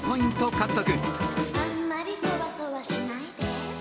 獲得